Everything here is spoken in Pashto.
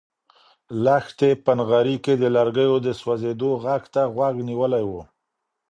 لښتې په نغري کې د لرګیو د سوزېدو غږ ته غوږ نیولی و.